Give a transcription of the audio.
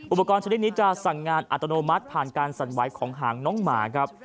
อุปกรณ์ชนิดนี้จะสั่งงานอัตโนมัติผ่านการสั่นไหวของหางน้องหมาครับ